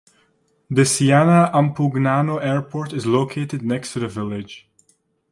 The Siena–Ampugnano Airport is located next to the village.